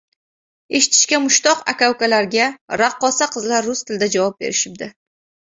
eshitishga mushtoq aka-ukalarga raqqosa qizlar rus tilida javob berishibdi…